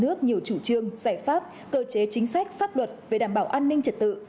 nước nhiều chủ trương giải pháp cơ chế chính sách pháp luật về đảm bảo an ninh trật tự